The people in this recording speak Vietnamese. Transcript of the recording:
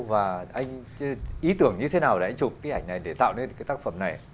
và anh ý tưởng như thế nào để anh chụp cái ảnh này để tạo nên cái tác phẩm này